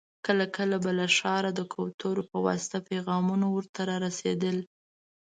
کله کله به له ښاره د کوترو په واسطه پيغامونه ور ته را رسېدل.